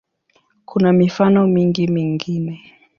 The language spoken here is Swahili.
Kuna mifano mingi mingine.